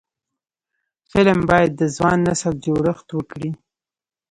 فلم باید د ځوان نسل جوړښت وکړي